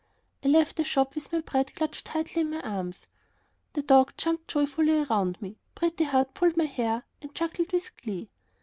I left the shop with my bread clutched tightly in my arms. The dogs jumped joyfully around me. Pretty Heart pulled my hair and chuckled with glee.